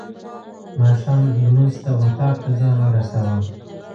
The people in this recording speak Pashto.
ماښام لمونځ ته اطاق ته ځان ورساوه.